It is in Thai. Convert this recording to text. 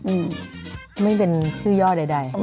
อืมไม่เป็นชื่อย่อใดใด